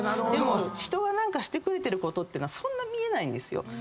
でも人が何かしてくれてることってそんな見えないんですよ。